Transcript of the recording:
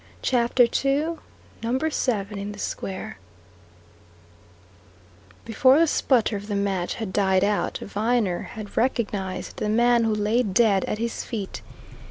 CHAPTER II NUMBER SEVEN IN THE SQUARE Before the sputter of the match had died out, Viner had recognized the man who lay dead at his feet.